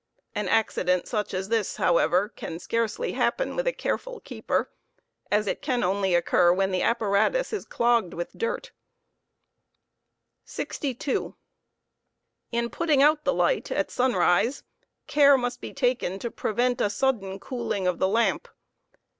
An accident such as this, however, can scarcely happen with a careful keeper, as it can only occur when the apparatus is clogged with dirt' pitting out 62. In putting out the light at sunrise, care must bo taken to prevent a sudden cooling of the lamp.